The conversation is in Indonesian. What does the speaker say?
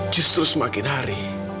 justru semakin hari